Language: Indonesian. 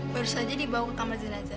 baru saja dibawa ke kamar jenazah